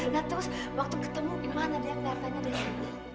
nah terus waktu ketemu gimana dia kelihatannya di sini